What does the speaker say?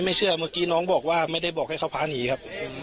เชื่อเมื่อกี้น้องบอกว่าไม่ได้บอกให้เขาพาหนีครับ